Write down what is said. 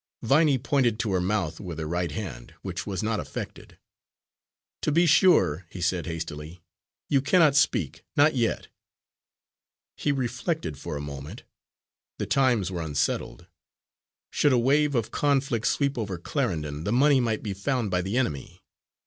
Viney pointed to her mouth with her right hand, which was not affected. "To be sure," he said hastily, "you cannot speak not yet." He reflected for a moment. The times were unsettled. Should a wave of conflict sweep over Clarendon, the money might be found by the enemy.